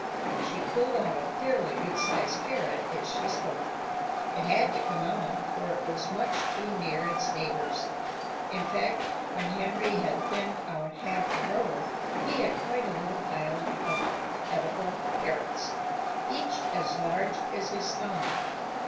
She pulled out a fairly good sized carrot as she spoke. It had to come out, for it was much too near its neighbors. In fact, when Henry had thinned out half a row he had quite a little pile of eatable carrots, each as large as his thumb.